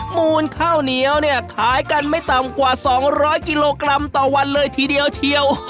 มูลข้าวเหนียวเนี่ยขายกันไม่ต่ำกว่า๒๐๐กิโลกรัมต่อวันเลยทีเดียวเชียว